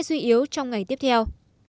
suy yếu trong ngày tiếp theo